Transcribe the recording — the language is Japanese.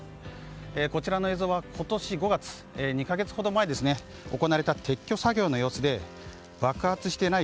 こちらの映像は今年５月２か月ほど前に行われた撤去作業の様子で爆発していない